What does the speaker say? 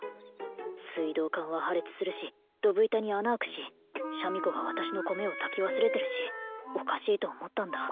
水道管は破裂するしドブ板に穴開くしシャミ子が私の米を炊き忘れてるしおかしいと思ったんだ